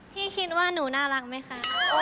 พี่คิดว่าหนูน่ารักไหมคะ